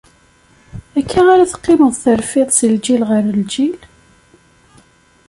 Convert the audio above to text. Akka ara teqqimeḍ terfiḍ si lǧil ɣer lǧil?